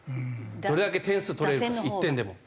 どれだけ点数取れるか１点でも。